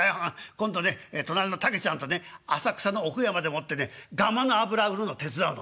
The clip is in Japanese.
今度ねとなりの竹ちゃんとね浅草の奥山でもってねガマの油売るの手伝うの。